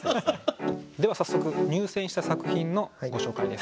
では早速入選した作品のご紹介です。